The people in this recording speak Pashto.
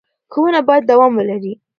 ښوونه باید دوام ولري.